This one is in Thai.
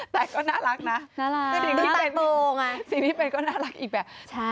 แต่ก็น่ารักนะสิ่งที่เป็นก็น่ารักอีกแบบ